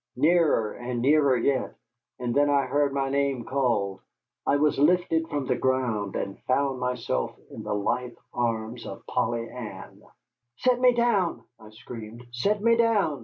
Nearer, and nearer yet and then I heard my name called. I was lifted from the ground, and found myself in the lithe arms of Polly Ann. "Set me down!" I screamed, "set me down!"